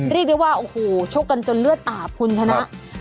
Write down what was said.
เรียกได้ว่าโอ้โหชกกันจนเลือดอาบคุณชนะ